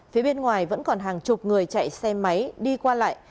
phía bên ngoài vẫn còn hàng chục người chạy xe máy đi qua lại